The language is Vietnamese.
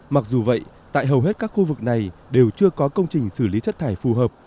mặc dù vậy tại hầu hết các khu vực này đều chưa có công trình xử lý chất thải phù hợp